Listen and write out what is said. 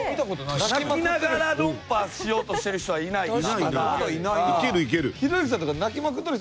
泣きながら論破しようとしてる人はいないかまだ。